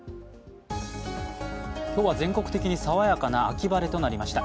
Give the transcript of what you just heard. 今日は全国的に爽やかな秋晴れとなりました